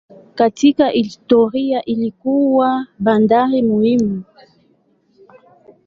Katika historia ilikuwa bandari muhimu.